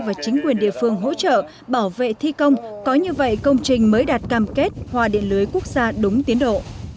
và chính quyền địa phương hỗ trợ bảo vệ thi công có như vậy công trình mới đạt cam kết hòa điện lưới quốc gia đúng tiến độ